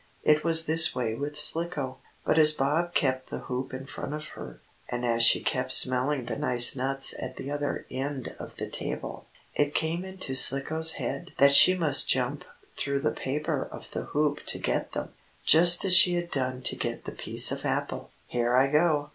It was this way with Slicko. But as Bob kept the hoop in front of her, and as she kept smelling the nice nuts at the other end of the table, it came into Slicko's head that she must jump through the paper of the hoop to get them, just as she had done to get the piece of apple. "Here I go!"